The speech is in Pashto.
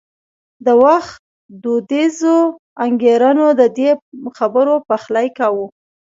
د وخت دودیزو انګېرنو د دې خبرو پخلی کاوه.